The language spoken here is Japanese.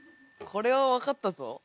これはわかったぞ。